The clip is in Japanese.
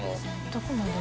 どこまで？